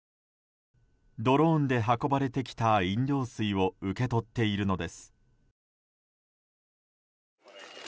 ドローンで運ばれてきた飲料水を受け取っているのです。